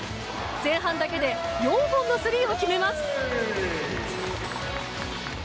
前半だけで４本のスリーを決めます。